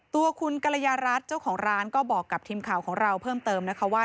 ตัวคุณกรยารัฐเจ้าของร้านก็บอกกับทีมข่าวของเราเพิ่มเติมนะคะว่า